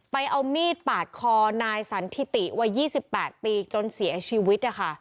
ไปเอามีดปากคอนายสันทิติวายยี่สิบแปดปีจนเสียชีวิตอ่ะค่ะ